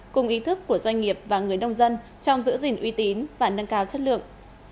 cùng ý thức của doanh nghiệp và người nông dân trong giữ gìn uy tín và nâng cao chất lượng